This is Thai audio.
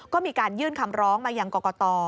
ก็มีการยื่นคำร้องมายังกรกต